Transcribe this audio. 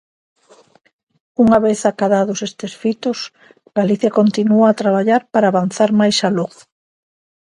Unha vez acadados estes fitos, Galicia continúa a traballar para avanzar máis aló.